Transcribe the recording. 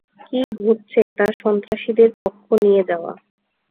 কী ঘটছে তা সন্ত্রাসীদের পক্ষ নিয়ে যাওয়া।